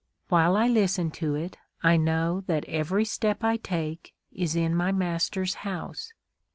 While I listen to it I know that every step I take is in my master's house.